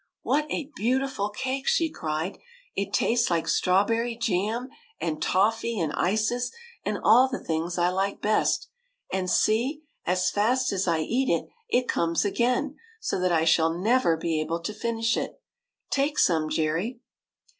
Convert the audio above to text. " What a beautiful cake !'* she cried ;" it tastes like strawberry jam and toffee and ices, and all the things I like best. And see! as fast as I eat it, it comes again, so that I shall never be able to finish it. Take some, Jerry."